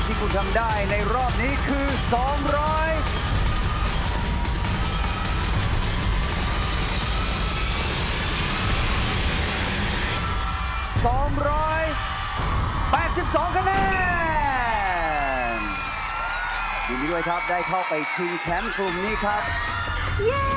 ยินดีด้วยครับได้เข้าไปที่แขนมกลุ่มนี้ครับ